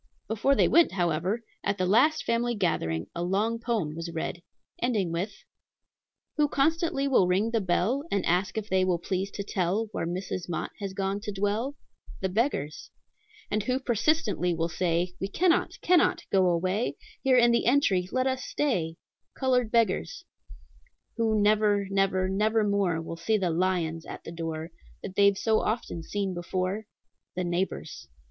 Before they went, however, at the last family gathering a long poem was read, ending with: "Who constantly will ring the bell, And ask if they will please to tell Where Mrs. Mott has gone to dwell? The beggars. "And who persistently will say, 'We cannot, cannot go away; Here in the entry let us stay?' Colored beggars. "Who never, never, nevermore Will see the 'lions' at the door That they've so often seen before? The neighbors.